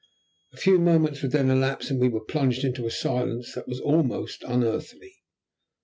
A few moments would then elapse, and then we were plunged into a silence that was almost unearthly.